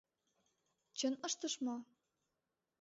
Чын ыштыш мо?